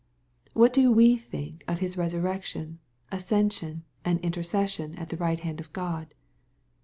What do we think of His resurrection, ascension, and intercession at the right hand of God